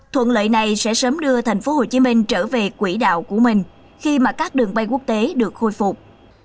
thuận lợi này sẽ sớm đưa tp hcm trở về quỹ đạo của mình khi mà các đường bay quốc tế được khôi phục